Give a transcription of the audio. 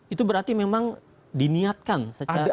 itu berarti memang diniatkan secara